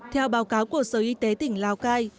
theo báo cáo của sở y tế tỉnh lào cai